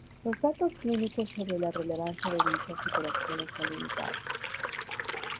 Los datos clínicos sobre la relevancia de dichas interacciones son limitados.